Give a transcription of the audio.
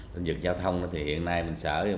lĩnh vực giao thông thì hiện nay mình sở